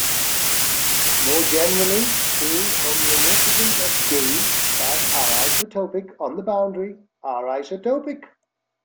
More generally, two homeomorphisms of "D" that are isotopic on the boundary are isotopic.